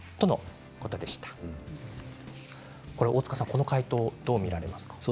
この回答はどう見ますか？